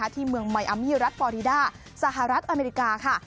ที่เมืองมายอามี่รัฐฟอริดาสหรัฐอเมริกาค่ะ